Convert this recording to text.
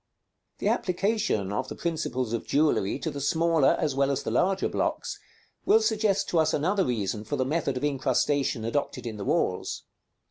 § XXXVI. The application of the principles of jewellery to the smaller as well as the larger blocks, will suggest to us another reason for the method of incrustation adopted in the walls.